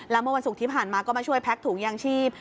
เมื่อวันศุกร์ที่ผ่านมาก็มาช่วยแพ็กถุงยางชีพ